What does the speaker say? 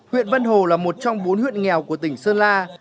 huyện vân hồ là một trong bốn huyện nghèo của tỉnh sơn la